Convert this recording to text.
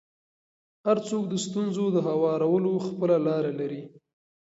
هر څوک د ستونزو د هوارولو خپله لاره لري.